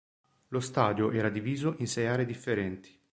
Lo stadio era diviso in sei aree differenti.